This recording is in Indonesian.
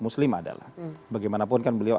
muslim adalah bagaimanapun kan beliau